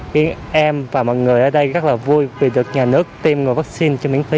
vì em và mọi người ở đây rất là vui vì được nhà nước tiêm vaccine cho miễn phí